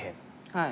はい。